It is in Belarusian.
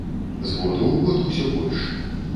З году ў год усё больш.